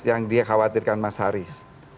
yang dia khawatirkan mas haris